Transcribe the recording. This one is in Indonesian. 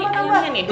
iya tambah tambah